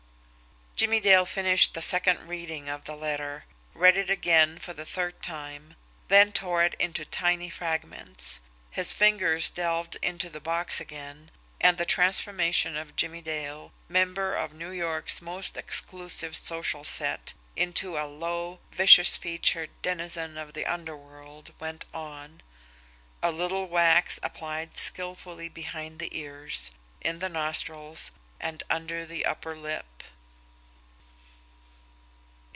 Jimmie Dale finished the second reading of the letter, read it again for the third time, then tore it into tiny fragments. His fingers delved into the box again, and the transformation of Jimmie Dale, member of New York's most exclusive social set, into a low, vicious featured denizen of the underworld went on a little wax applied skilfully behind the ears, in the nostrils and under the upper lip.